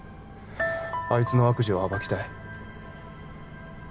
あいつの悪事を暴きたい